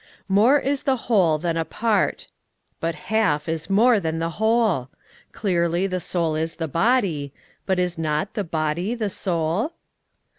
More is the whole than a part: but half is more than the whole: Clearly, the soul is the body: but is not the body the soul?